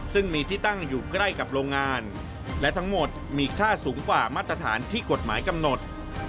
ซึ่งมีที่ตั้งอยู่ใกล้กับโรงงานและทั้งหมดมีค่าสูงกว่ามาตรฐานที่กฎหมายกำหนด